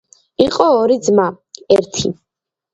იყო ორი ძმა. ერთი